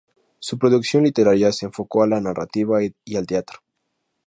Su producción literaria se enfocó a la narrativa y al teatro.